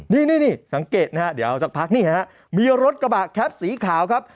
นี่สังเกตนะฮะเดี๋ยวสักพักนี่ฮะมีรถกระบะแคปสีขาวครับ